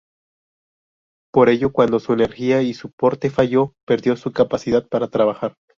Por ello, cuando su energía y su porte falló, perdió su capacidad para trabajar.